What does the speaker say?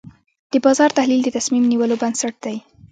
د بازار تحلیل د تصمیم نیولو بنسټ دی.